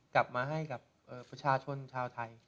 กลับมาให้กับประชาชนชาวไทย